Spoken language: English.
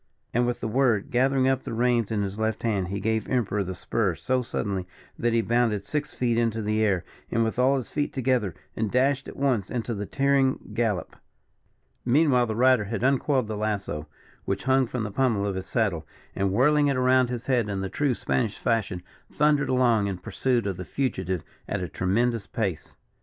And, with the word, gathering up the reins in his left hand, he gave Emperor the spur so suddenly that he bounded six feet into the air, with all his feet together, and dashed at once into his tearing gallop. Meanwhile the rider had uncoiled the lasso, which hung from the pummel of his saddle, and whirling it around his head in the true Spanish fashion, thundered along in pursuit of the fugitive at a tremendous pace.